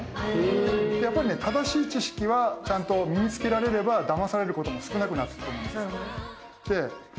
やっぱりね正しい知識はちゃんと身に付けられればだまされることも少なくなっていくと思うんです。